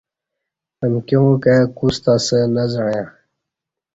امکیاں کائی کوستہ اسہ نہ زعݩیا